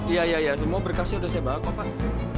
iya iya iya semua berkasnya udah saya bawa kok pak